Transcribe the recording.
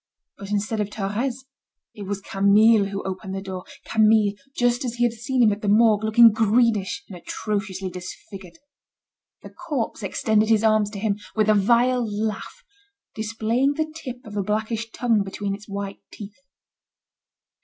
But instead of Thérèse, it was Camille who opened the door, Camille, just as he had seen him at the Morgue, looking greenish, and atrociously disfigured. The corpse extended his arms to him, with a vile laugh, displaying the tip of a blackish tongue between its white teeth.